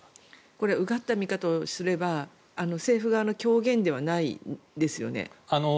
これうがった見方をすれば政府側の狂言ではないですよね。